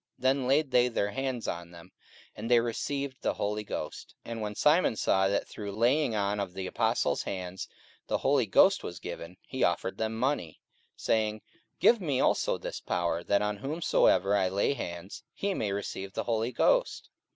44:008:017 Then laid they their hands on them, and they received the Holy Ghost. 44:008:018 And when Simon saw that through laying on of the apostles' hands the Holy Ghost was given, he offered them money, 44:008:019 Saying, Give me also this power, that on whomsoever I lay hands, he may receive the Holy Ghost.